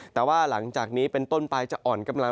แต่ว่าหลังจากนี้เป็นต้นไปจะอ่อนกำลัง